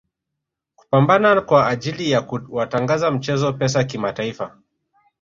Kupambana kwa ajili ya kuwatangaza mchezo Pesa kimataifa